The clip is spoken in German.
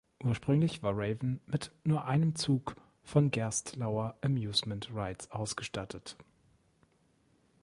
Ursprünglich war Raven mit nur einem Zug von Gerstlauer Amusement Rides ausgestattet.